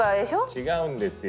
違うんですよ！